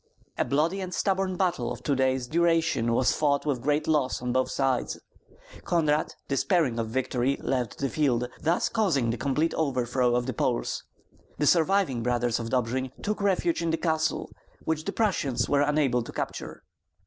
A bloody and stubborn battle of two days' duration was fought with great loss on both sides. Konrad, despairing of victory, left the field, thus causing the complete overthrow of the Poles. The surviving Brothers of Dobjin took refuge in the castle, which the Prussians were unable to capture.